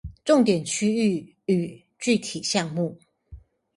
重點區域與具體項目